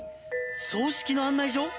葬式の案内状？